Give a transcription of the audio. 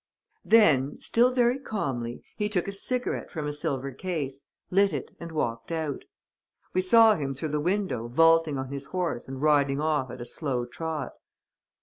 "Then, still very calmly, he took a cigarette from a silver case, lit it and walked out. We saw him through the window vaulting on his horse and riding off at a slow trot.